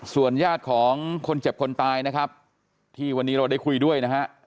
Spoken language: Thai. ส่วนญาติของคนเจ็บคนตายนะครับที่วันนี้เราได้คุยด้วยนะฮะ